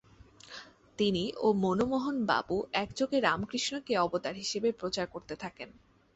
তিনি ও মনোমোহনবাবু একযোগে রামকৃষ্ণকে অবতার হিসাবে প্রচার করতে থাকেন।